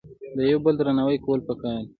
د یو بل درناوی کول په کار دي